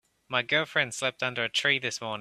My girlfriend slept under a tree this morning.